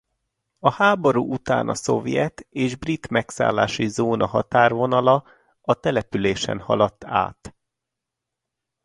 A háború után a szovjet és brit megszállási zóna határvonala a településen haladt át.